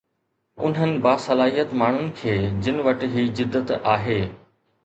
انهن باصلاحيت ماڻهن کي جن وٽ هي جدت آهي.